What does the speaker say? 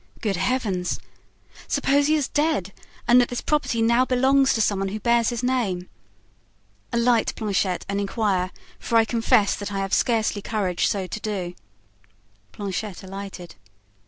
Good heavens! suppose he is dead and that this property now belongs to some one who bears his name. Alight, Planchet, and inquire, for I confess that I have scarcely courage so to do." Planchet alighted.